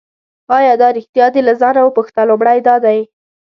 آیا دا ریښتیا دي له ځانه وپوښته لومړی دا دی.